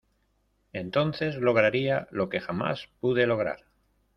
entonces lograría lo que jamás pude lograr.